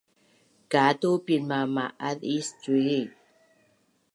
Katu pinmama’azis cui